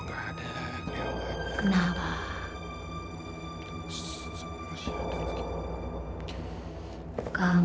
kamu gak akan aku maafkan